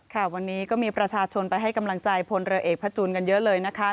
ค่ะวันนี้ก็มีประชาชนไปให้กำลังใจพลเรือเอกพระจูนกันเยอะเลยนะคะ